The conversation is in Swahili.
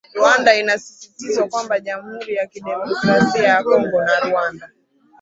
Rwanda inasisitizwa kwamba jamhuri ya kidemokrasia ya Kongo na Rwanda